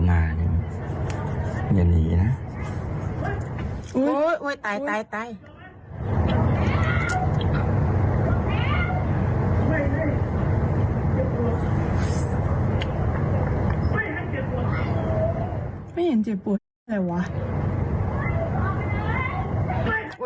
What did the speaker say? ไม่เห็นเจ็บปวดแหละวะ